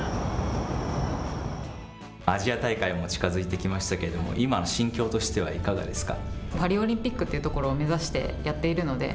アジア大会も近づいてきましたけれども、今の心境としてはいかがですか。